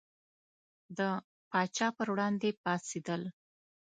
د پاچا پر وړاندې پاڅېدل.